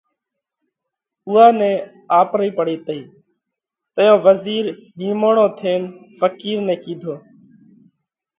اُوئا نئہ آپرئِي پڙئِي تئِي۔ تئيون وزِير نِيموڻو ٿينَ ڦقِير نئہ ڪِيڌو: